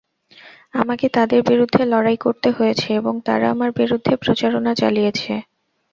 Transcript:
আমাকে তাদের বিরুদ্ধে লড়াই করতে হয়েছে এবং তারা আমার বিরুদ্ধে প্রচারণা চালিয়েছে।